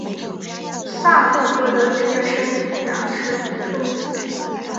萨诺戈的职业生涯始于突尼斯。